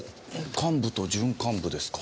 幹部と準幹部ですか？